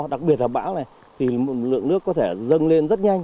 đặc biệt là bão này thì lượng nước có thể dâng lên